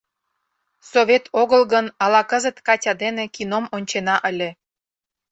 Совет огыл гын, ала кызыт Катя дене кином ончена ыле.